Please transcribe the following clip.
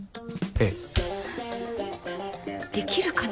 あっできるかな？